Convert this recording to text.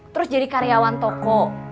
terus jadi karyawan toko